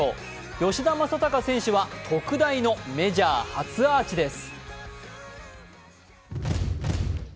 吉田正尚選手は特大のメジャー初アーチです。